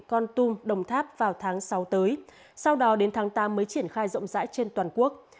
con tum đồng tháp vào tháng sáu tới sau đó đến tháng tám mới triển khai rộng rãi trên toàn quốc